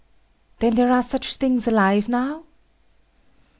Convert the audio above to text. Then there are such things alive now?